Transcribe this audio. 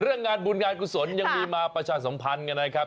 งานบุญงานกุศลยังมีมาประชาสัมพันธ์กันนะครับ